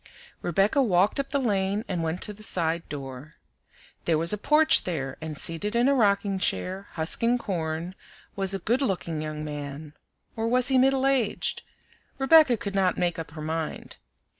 Rebecca walked up the lane and went to the side door. There was a porch there, and seated in a rocking chair, husking corn, was a good looking young man, or was he middle aged? Rebecca could not make up her mind.